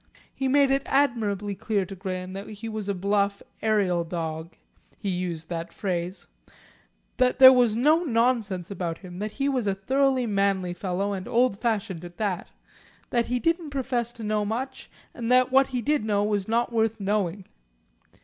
He made it admirably clear to Graham that he was a bluff "aerial dog" he used that phrase that there was no nonsense about him, that he was a thoroughly manly fellow and old fashioned at that, that he didn't profess to know much, and that what he did not know was not worth knowing.